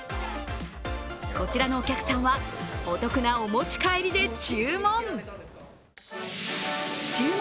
こちらのお客さんはお得なお持ち帰りで注文。